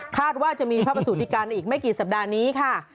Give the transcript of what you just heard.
ว่าจะมีพระประสุทธิการในอีกไม่กี่สัปดาห์นี้ค่ะ